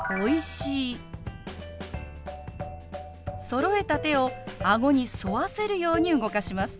そろえた手を顎に沿わせるように動かします。